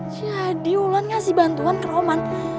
jadi wulan ngasih bantuan ke roman